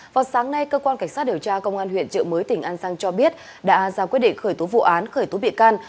vào sáng nay cơ quan cảnh sát điều tra công an huyện trợ mới tỉnh an giang cho biết đã ra quyết định khởi tố vụ án khởi tố bị can